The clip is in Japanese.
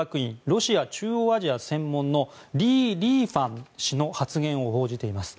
ロシア中央アジア専門のリー・リーファン氏の発言を報じています。